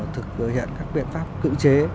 thực hiện các biện pháp cữ chế